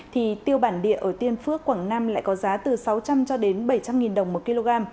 thì tiêu bản địa ở tiên phước quảng nam lại có giá từ sáu trăm linh cho đến bảy trăm linh đồng một kg